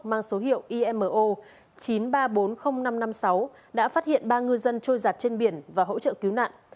mang số hiệu imo chín mươi ba nghìn bốn mươi nghìn năm trăm năm mươi sáu đã phát hiện ba ngư dân trôi giặt trên biển và hỗ trợ cứu nạn